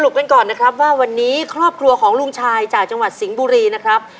กันก่อนนะครับว่าวันนี้ครอบครัวของลุงชายจากจังหวัดสิงห์บุรีนะครับ